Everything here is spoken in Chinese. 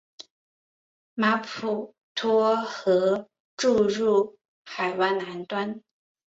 马普托河注入海湾南端。